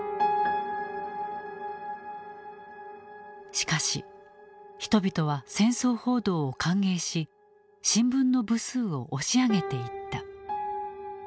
しかし人々は戦争報道を歓迎し新聞の部数を押し上げていった。